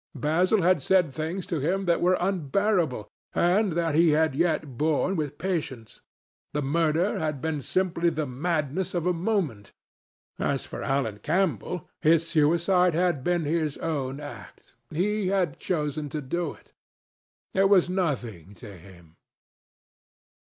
Basil had said things to him that were unbearable, and that he had yet borne with patience. The murder had been simply the madness of a moment. As for Alan Campbell, his suicide had been his own act. He had chosen to do it. It was nothing to him.